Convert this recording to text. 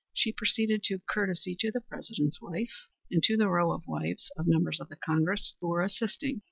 She proceeded to courtesy to the President's wife and to the row of wives of members of the Cabinet who were assisting.